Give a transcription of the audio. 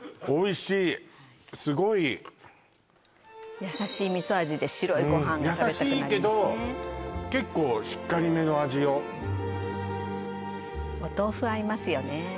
すごい優しいみそ味で白いご飯がうん優しいけど結構しっかりめの味よお豆腐合いますよね